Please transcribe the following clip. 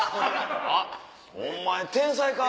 あっお前天才か？